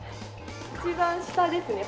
一番下ですね。